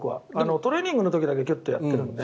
トレーニングの時だけギュッとやっているので。